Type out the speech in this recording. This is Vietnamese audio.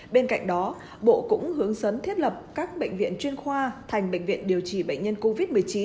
bên cạnh đó bộ cũng hướng dẫn thiết lập các bệnh viện chuyên khoa thành bệnh viện điều trị bệnh nhân covid một mươi chín